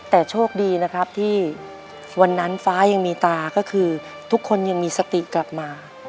แต่โชคดีนะครับที่วันนั้นฟ้ายังมีตาก็คือทุกคนยังมีสติกลับมา